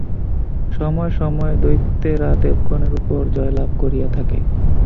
সময়ে সময়ে দৈত্যেরা দেবগণের উপর জয়লাভ করিয়া থাকে।